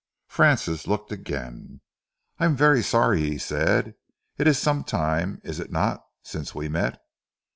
Francis looked again. "I am very sorry," he said. "It is some time, is it not, since we met?"